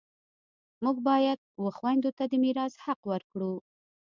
موږ باید و خویندو ته د میراث حق ورکړو